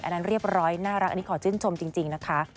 อันนั้นเรียบร้อยน่ารักอันนี้ขอชื่นชมจริงนะคะ